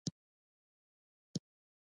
نرم جغل د مورم او شیل له تیږو لاسته راځي